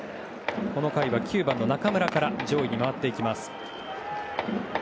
この回は９番の中村から上位に回っていきます。